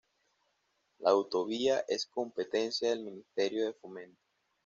La autovía es competencia del Ministerio de Fomento.